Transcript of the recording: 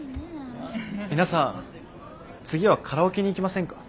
皆さん次はカラオケに行きませんか？